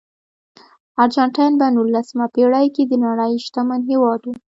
ارجنټاین په نولسمه پېړۍ کې د نړۍ شتمن هېواد و.